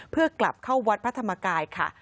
เพื่อกลับเข้าวัดพระธรรมกายค่ะ